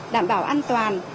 đảm bảo an toàn